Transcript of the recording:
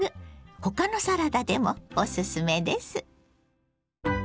他のサラダでもおすすめです。